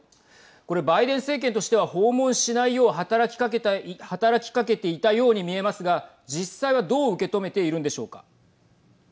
これ、バイデン政権としては訪問しないよう働きかけていたように見えますが実際は、どう受け止めているんでしょうか。